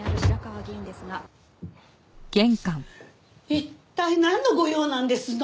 一体なんのご用なんですの？